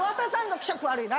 気色悪いな。